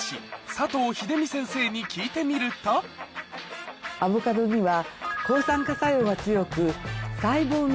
佐藤秀美先生に聞いてみるとアボカドには。